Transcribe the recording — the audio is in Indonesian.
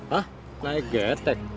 hah naik getek